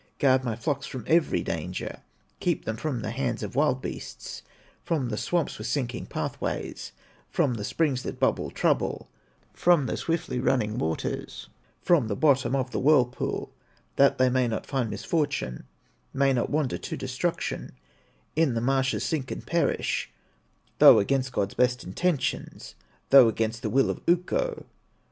Guard my flocks from every danger, Keep them from the hands of wild beasts, From the swamps with sinking pathways, From the springs that bubble trouble, From the swiftly running waters, From the bottom of the whirlpool, That they may not find misfortune, May not wander to destruction, In the marshes sink and perish, Though against God's best intentions, Though against the will of Ukko.